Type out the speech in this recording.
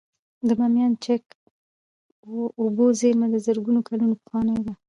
د بامیانو چک اوبو زیرمه د زرګونه کلونو پخوانۍ ده